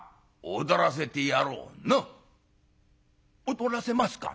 「踊らせますか？」。